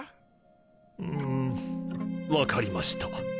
うーん分かりました。